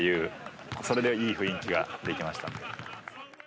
それでいい雰囲気ができました。